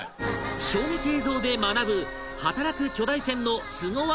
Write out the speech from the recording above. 衝撃映像で学ぶ働く巨大船のスゴ技